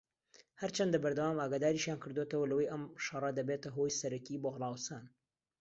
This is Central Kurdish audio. هەرچەندە بەردەوام ئاگاداریشیان کردۆتەوە لەوەی ئەم شەڕە دەبێتە هۆی سەرەکیی بۆ هەڵاوسان